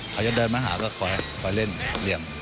เขาจะเดินมาหาก็คอยเล่นเหลี่ยม